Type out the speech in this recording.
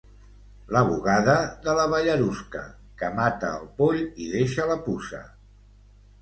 La bugada de la Ballarusca, que mata el poll i deixa la puça.